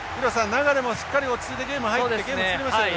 流もしっかり落ち着いてゲームに入ってゲーム作りましたね。